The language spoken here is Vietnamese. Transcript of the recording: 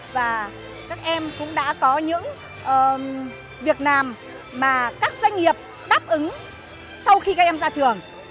và các em cũng đã có những việc làm mà các doanh nghiệp đáp ứng sau khi các em ra trường